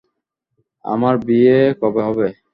আমার বিয়ে কবে হবে?